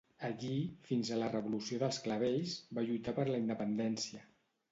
Allí, fins a la Revolució dels Clavells, va lluitar per la independència.